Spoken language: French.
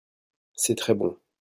c'est très bon.